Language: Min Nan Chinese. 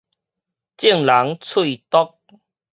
眾人喙毒